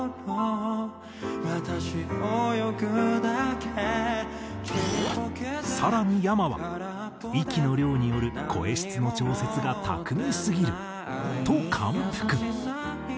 「すごい」更にｙａｍａは「息の量による声質の調節が巧みすぎる」と感服。